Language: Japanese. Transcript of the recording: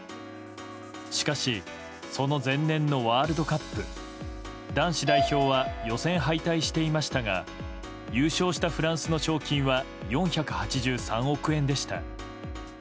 しかしその前年のワールドカップ男子代表は予選敗退していましたが優勝したフランスの賞金は４８３億円でした。